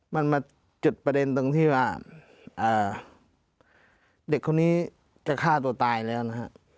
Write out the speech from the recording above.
มันมาจุดประเด็นตรงที่ว่าเด็กคนนี้จะฆ่าตัวตายแล้วนะฮะ